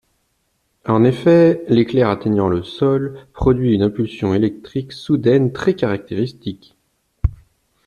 En effet, l'éclair atteignant le sol produit une impulsion électrique soudaine très caractéristique.